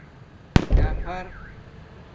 ڈَفَر